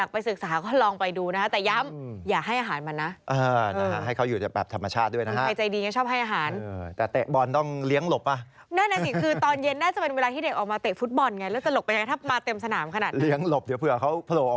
โผล่ออกมาพอดีนะฮะ